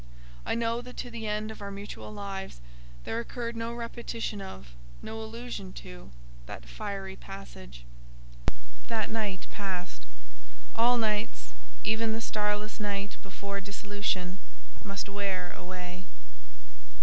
I know that to the end of our mutual lives there occurred no repetition of, no allusion to, that fiery passage. That night passed: all nights—even the starless night before dissolution—must wear away.